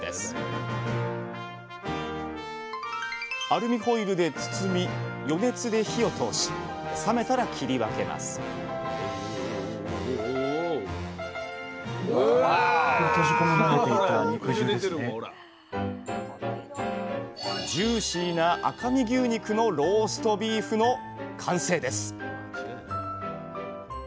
アルミホイルで包み余熱で火を通し冷めたら切り分けますジューシーな赤身牛肉のローストビーフの完成です！